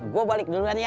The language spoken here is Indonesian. gua balik duluan ya